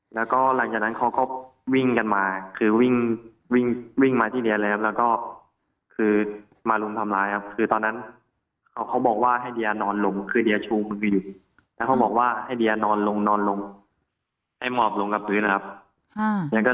แล้วก็หลังจากนั้นเขาก็วิ่งกันมาคือวิ่งวิ่งมาที่เดียแล้วครับแล้วก็คือมารุมทำร้ายครับคือตอนนั้นเขาเขาบอกว่าให้เดียนอนลงคือเดียชูมืออยู่แล้วเขาบอกว่าให้เดียนอนลงนอนลงให้หมอบลงกับพื้นนะครับ